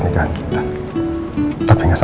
mau dihantar orang itu kan